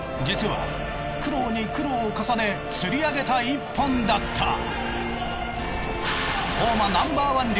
実は苦労に苦労を重ね釣り上げた１本だった。